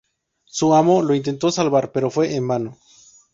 Su amo lo intentó salvar, pero fue en vano.